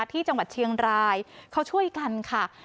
ที่จังหวัดเชียงรายเขาช่วยกันค่ะ